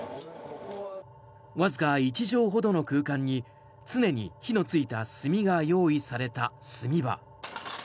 わずか１畳ほどの空間に常に火のついた炭が用意された炭場。